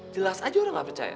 jelas aja udah gak percaya